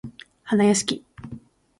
はなやしき